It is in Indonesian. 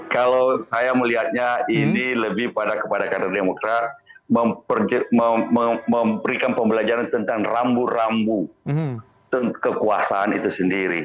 kalau saya melihatnya ini lebih pada kepada kader demokrat memberikan pembelajaran tentang rambu rambu kekuasaan itu sendiri